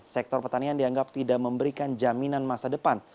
sektor pertanian dianggap tidak memberikan jaminan masa depan